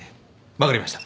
わかりました。